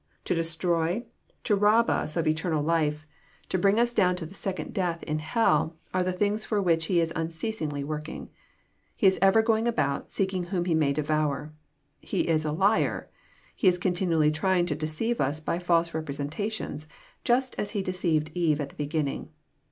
To destroy, to rob us of eternal 112 EXP09IT0BT THOUGHTS. life, to bring us down to the second death in hell, are tbe things for which he is unceasingly working. He is ever going about, seeking whom he may devour. — He is a liar! He is continually trying to deceive us by false represen tations, just as he deceived Eve at the beginning.